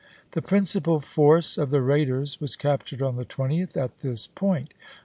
The principal force of the raiders was captured on the 20th at this July, isea. point.